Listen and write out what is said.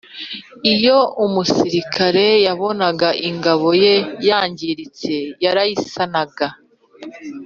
iyo umusirikare yabonaga ko ingabo ye yangiritse yarayisanaga